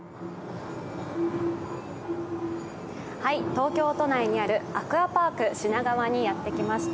東京都内にあるアクアパーク品川にやってきました。